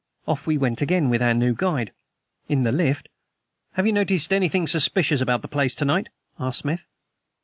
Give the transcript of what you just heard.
Off we went again, with our new guide. In the lift: "Have you noticed anything suspicious about the place to night?" asked Smith.